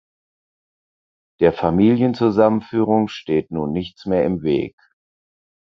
Der Familienzusammenführung steht nun nichts mehr im Weg.